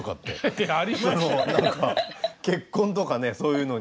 何か結婚とかねそういうのに。